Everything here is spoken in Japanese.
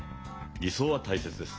理想は大切です。